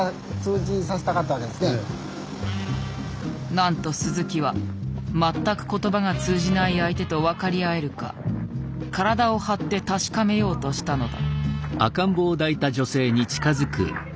なんと鈴木は全く言葉が通じない相手と分かり合えるか体を張って確かめようとしたのだ。